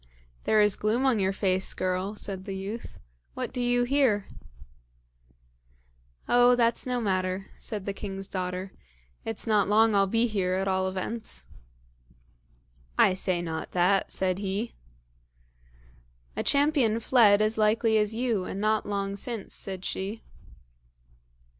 "There is gloom on your face, girl," said the youth; "what do you here?" "Oh! that's no matter," said the king's daughter. "It's not long I'll be here at all events." "I say not that," said he. "A champion fled as likely as you, and not long since," said she.